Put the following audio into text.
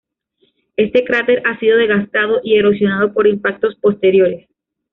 Este cráter ha sido desgastado y erosionado por impactos posteriores.